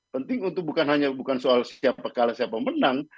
penting untuk bukan hanya bukan soal siapa kalah siapa menang